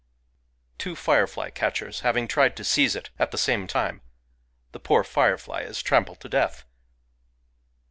[Two firefly catchers] having tried to seize it [at the same time] , the poor firefly is trampled to death